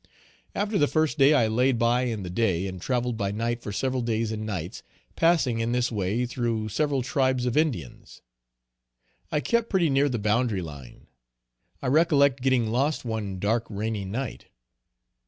After the first day, I laid by in the day and traveled by night for several days and nights, passing in this way through several tribes of Indians. I kept pretty near the boundary line. I recollect getting lost one dark rainy night.